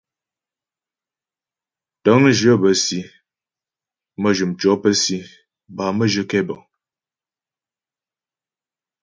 Tə̂ŋjyə bə́ si, mə́jyə mtʉɔ̌ pə́ si bâ mə́jyə kɛbəŋ.